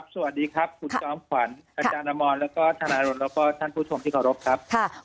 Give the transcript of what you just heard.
สวัสดีครับคุณช้อมขวัญอาจารย์รมรและธนาโลนและท่านผู้ชมที่ขอรบครับ